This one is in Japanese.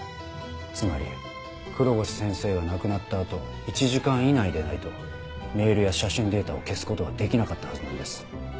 つまり黒越先生が亡くなった後１時間以内でないとメールや写真データを消すことはできなかったはずなんです。